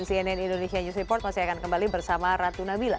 cnn indonesia news report masih akan kembali bersama ratu nabila